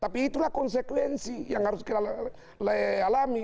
tapi itulah konsekuensi yang harus kita alami